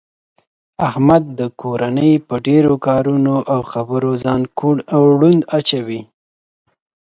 احمد د کورنۍ په ډېرو کارونو او خبرو ځان کوڼ او ړوند اچوي.